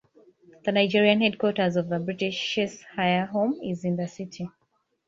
The Nigerian headquarters of the British Cheshire Home is in the city.